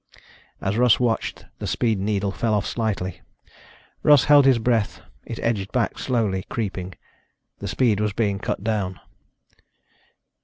As Russ watched, the speed needle fell off slightly. Russ held his breath. It edged back slowly, creeping. The speed was being cut down.